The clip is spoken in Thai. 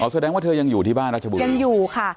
แสดงว่าเธอยังอยู่ที่บ้านราชบุรียังอยู่ค่ะ